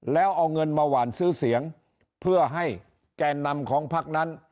แล้วเอาเงินมาหวานซื้อเสียงเพื่อให้แก่นำของพักนั้น